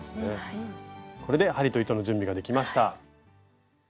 これで針と糸の準備ができました。